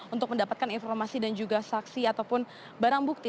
untuk mendapatkan informasi dan juga saksi ataupun barang bukti